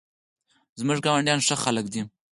زموږ ګاونډیان ښه خلک دي